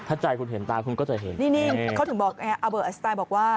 ถ้าใจคุณเห็นตาคุณก็จะเห็นนี่นี่เขาถึงบอกอัลเบอร์สไตล์บอกว่า